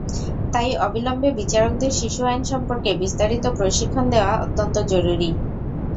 তাই অবিলম্বে বিচারকদের শিশু আইন সম্পর্কে বিস্তারিত প্রশিক্ষণ দেওয়া অত্যন্ত জরুরি।